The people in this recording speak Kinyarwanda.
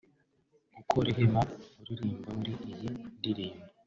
kuko Rehema uririmbwa muri iyi ndirimbo